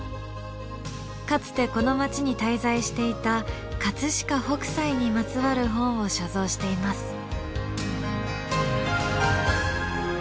かつてこの町に滞在していた葛飾北斎にまつわる本を所蔵しています。